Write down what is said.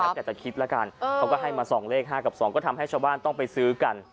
แล้วแต่จะคิดแล้วกันเขาก็ให้มา๒เลข๕กับ๒ก็ทำให้ชาวบ้านต้องไปซื้อกัน